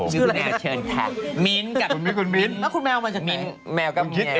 ซ้ำรอย